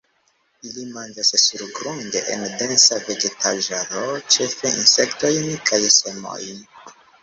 Ili manĝas surgrunde en densa vegetaĵaro, ĉefe insektojn kaj semojn.